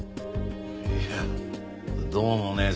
いやどうもね